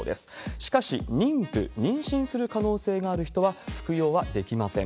しかし、妊婦、妊娠する可能性がある人は服用はできません。